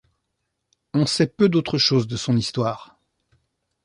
On sait peu d'autres choses de son histoire.